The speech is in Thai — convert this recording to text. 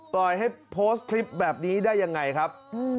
ปล่อยให้โพสต์คลิปแบบนี้ได้ยังไงครับ